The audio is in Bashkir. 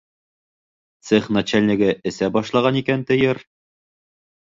Цех начальнигы эсә башлаған икән, тиер.